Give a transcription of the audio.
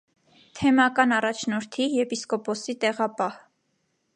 Թեմական առաջնորդի՝եպիսկոպոսի տեղապահ։